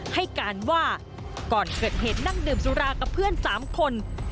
ให้การว่าก่อนเกิดเหตุนั่งดื่มสุรากับเพื่อน๓คน